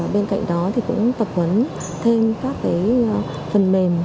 bên cạnh đó thì cũng tập huấn thêm các phần mềm